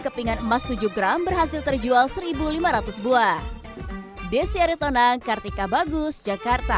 kepingan emas tujuh gram berhasil terjual seribu lima ratus buah desi aritonang kartika bagus jakarta